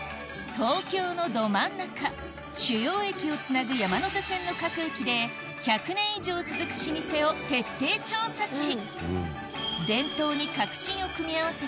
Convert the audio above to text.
東京のど真ん中主要駅をつなぐ山手線の各駅で１００年以上続く老舗を徹底調査し伝統に革新を組み合わせた